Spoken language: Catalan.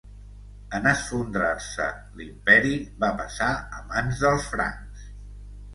En esfondrar-se l'imperi, va passar a mans dels francs.